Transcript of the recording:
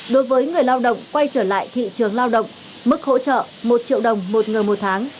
đối với người lao động quay trở lại thị trường lao động mức hỗ trợ một triệu đồng một người một tháng